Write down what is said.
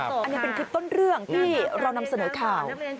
อันนี้เป็นคลิปต้นเรื่องที่เรานำเสนอข่าว